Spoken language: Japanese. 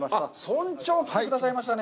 村長、来てくださいましたね。